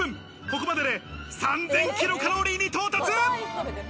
ここまでで、３０００キロカロリーに到達。